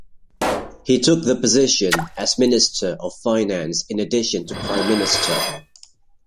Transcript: He took the position as Minister of Finance in addition to prime minister.